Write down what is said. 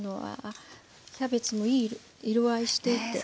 キャベツもいい色合いしていて。